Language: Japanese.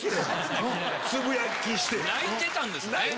泣いてたんですね。